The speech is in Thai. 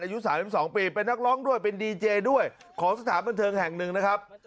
อายุ๓๒ปีเป็นนักร้องด้วยเป็นดีเจด้วยของสถานบันเทิงแห่งหนึ่งนะครับ